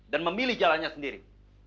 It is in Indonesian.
dan memilih jalannya sendiri